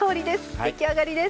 出来上がりです。